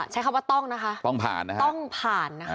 ใช้คำว่าต้องนะค่ะ